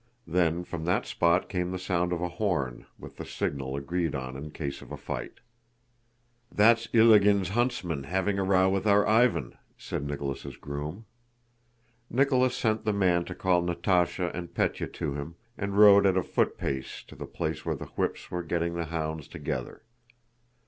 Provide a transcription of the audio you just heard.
Then from that spot came the sound of a horn, with the signal agreed on in case of a fight. "That's Ilágin's huntsman having a row with our Iván," said Nicholas' groom. Nicholas sent the man to call Natásha and Pétya to him, and rode at a footpace to the place where the whips were getting the hounds together.